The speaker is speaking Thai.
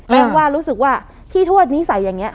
อ้างว่ารู้สึกว่าที่ทวดนิสัยอย่างนี้